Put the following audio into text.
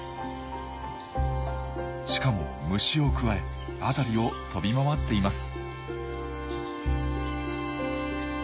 しかも虫をくわえ辺りを飛び回っています。